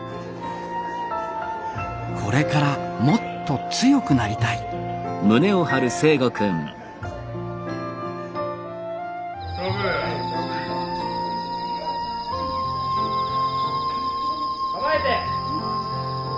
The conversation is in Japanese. これからもっと強くなりたいかまえて。